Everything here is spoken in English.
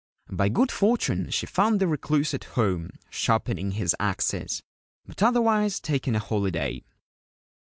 By good fortune she found the Recluse at home, sharpening his axes, but otherwise taking a holiday.